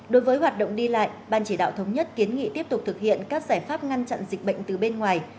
đối với hoạt động đi lại ban chỉ đạo thống nhất kiến nghị tiếp tục thực hiện các giải pháp ngăn chặn dịch bệnh từ bên ngoài